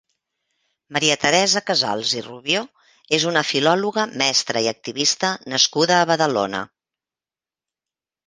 Maria Teresa Casals i Rubio és una filòloga, mestra i activista nascuda a Badalona.